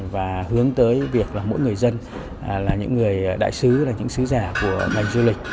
và hướng tới việc là mỗi người dân là những người đại sứ là những sứ giả của ngành du lịch